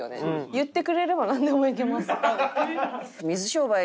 言ってくれればなんでもいけます多分。